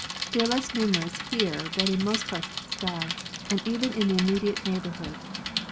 They are less numerous here than in most parts of the sky and even in the immediate neigh borhood.